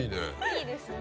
いいですね。